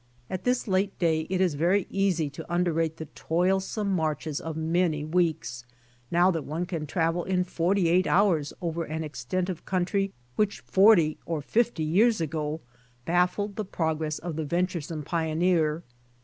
At this late day it is very easy to underrate the toil some marches of many weeks — now that one can travel in forty eight hours over an extent of country which forty or fifty years ago baffled the progress of the venturesome pioneer.